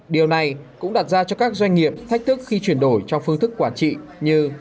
điều này cũng đặt ra cho các doanh nghiệp thách thức khi chuyển đổi trong phương thức quản trị như